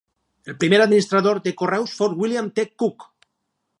El primer administrador de correus fou William T. Cook.